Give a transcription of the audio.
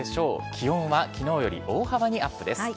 気温は昨日より大幅にアップです。